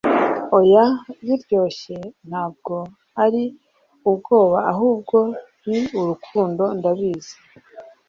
oya, biryoshye, ntabwo ari ubwoba ahubwo ni urukundo, ndabizi